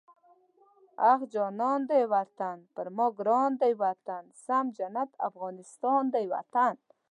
اخ جانان دی وطن، پر ما ګران دی وطن، سم جنت افغانستان دی وطن